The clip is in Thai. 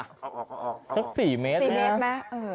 จับความจุทร๔เมตรมา๔เมตรนะ